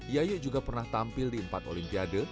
yayu juga pernah tampil di empat olimpiade